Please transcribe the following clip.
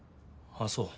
ああそう。